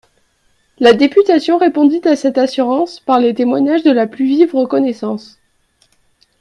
La députation répondit à cette assurance par les témoignages de la plus vive reconnaissance.